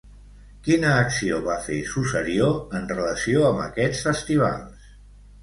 Quina acció va fer Susarió en relació amb aquests festivals?